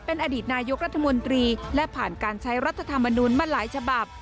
เป็นอดีตนายกรัฐมนตรีและผ่านการใช้รัฐธรรมนุนมาหลายฉบับ